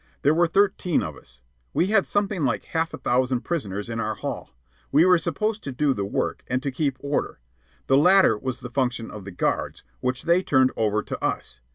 There were thirteen of us. We had something like half a thousand prisoners in our hall. We were supposed to do the work, and to keep order. The latter was the function of the guards, which they turned over to us.